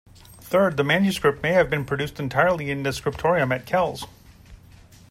Third, the manuscript may have been produced entirely in the scriptorium at Kells.